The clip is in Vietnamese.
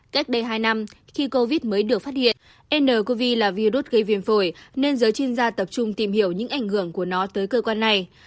cách đây hai năm khi covid mới được phát hiện ncov là virus gây viêm phổi nên giới chuyên gia tập trung tìm hiểu những ảnh hưởng của nó tới cơ quan này